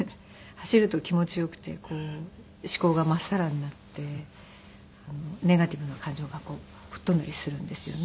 走ると気持ち良くてこう思考が真っさらになってネガティブな感情がこう吹っ飛んだりするんですよね。